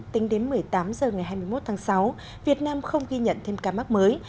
tính đến một mươi tám h ngày hai mươi một tháng sáu việt nam không ghi nhận thêm ca mắc mới